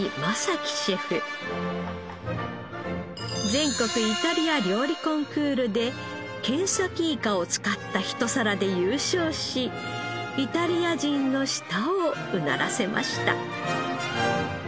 全国イタリア料理コンクールでケンサキイカを使った一皿で優勝しイタリア人の舌をうならせました。